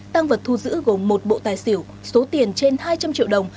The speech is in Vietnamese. tăng vật thu giữ gồm một bộ tài xỉu số tiền trên hai trăm linh triệu đồng